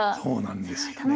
そうなんですよ。